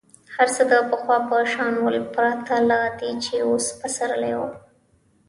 هر څه د پخوا په شان ول پرته له دې چې اوس پسرلی وو.